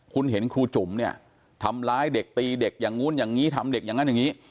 คุณเห็นครูจุ๋มเนี่ยทำร้ายเด็กตีเด็กอย่างนู้นอย่างนี้ทำเด็กอย่างนั้นอย่างนี้